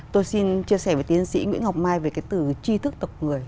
tôi xin chia sẻ với tiến sĩ nguyễn ngọc mai về cái từ chi thức tộc người